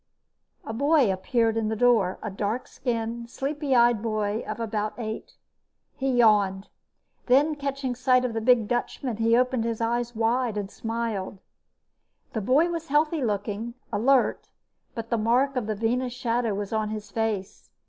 _" A boy appeared in the door, a dark skinned, sleepy eyed boy of about eight. He yawned. Then, catching sight of the big Dutchman, he opened his eyes wide and smiled. The boy was healthy looking, alert, but the mark of the Venus Shadow was on his face.